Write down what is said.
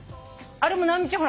あれも直美ちゃんほら。